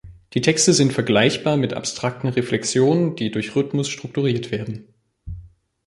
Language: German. Die Texte sind vergleichbar mit abstrakten Reflexionen, die durch Rhythmus strukturiert werden.